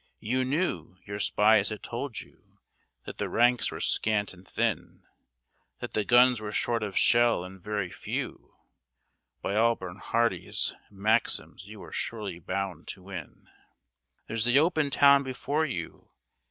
You knew your spies had told you that the ranks were scant and thin, That the guns were short of shell and very few, By all Bernhardi's maxims you were surely bound to win, There's the open town before you.